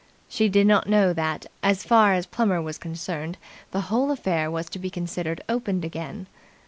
She did not know that, as far as Plummer was concerned, the whole affair was to be considered opened again.